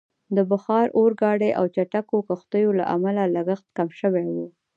د بخار اورګاډي او چټکو کښتیو له امله لګښت کم شوی وو.